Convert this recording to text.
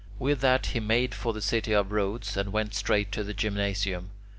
With that he made for the city of Rhodes, and went straight to the gymnasium.